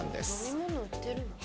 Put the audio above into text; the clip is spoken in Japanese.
飲み物売ってるの？